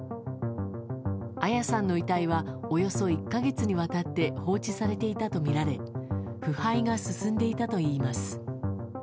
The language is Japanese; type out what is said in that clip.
彩さんの遺体はおよそ１か月にわたって放置されていたとみられ腐敗が進んでいたといいます。